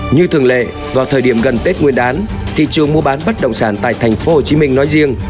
như thường lệ vào thời điểm gần tết nguyên đán thị trường mua bán bất đồng sản tại thành phố hồ chí minh nói riêng